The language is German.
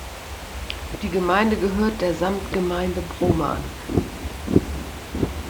Die Gemeinde gehört der Samtgemeinde Brome an.